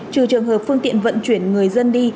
trừ trường hợp phương tiện vận chuyển người dân đi